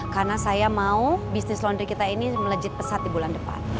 karena saya mau bisnis laundry kita ini melejit pesat di bulan depan